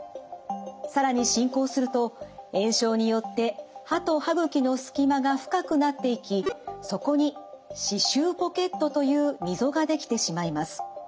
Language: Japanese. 更に進行すると炎症によって歯と歯ぐきのすき間が深くなっていきそこに歯周ポケットという溝が出来てしまいます。